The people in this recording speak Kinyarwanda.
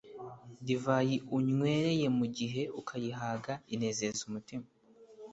Divayi unywereye mu gihe ukayihaga, inezeza umutima.